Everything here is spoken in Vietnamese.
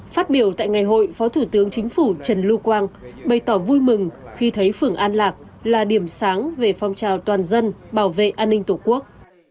phát biểu tại ngày hội phó thủ tướng chính phủ trần lưu quang bày tỏ vui mừng khi thấy phường an lạc là điểm sáng về phong trào toàn dân bảo vệ an ninh tổ quốc